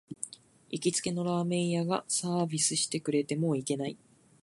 行きつけのラーメン屋がサービスしてくれて、もう行けない